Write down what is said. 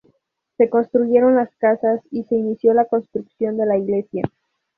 Se reconstruyeron las casas y se inició la construcción de la iglesia.